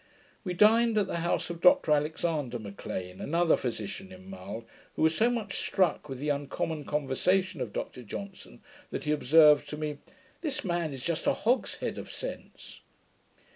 We dined at the house of Dr Alexander M'Lean, another physician in Mull, who was so much struck with the uncommon conversation of Dr Johnson, that he observed to me, 'This man is just a HOGSHEAD of sense.'